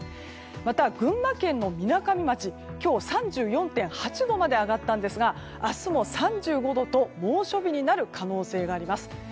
また、群馬県のみなかみ町は今日３４．８度まで上がったんですが明日も３５度と猛暑日になる可能性があります。